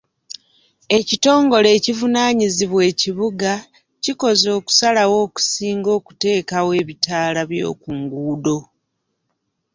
Ekitongole ekivunaanyizibwa ekibuga kikoze okusalawo okusinga okuteekawo ebitaala by'oku nguudo.